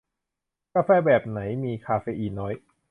กาแฟแบบไหนมีคาเฟอีนน้อย